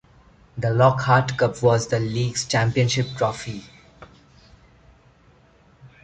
The Lockhart Cup was the league's championship trophy.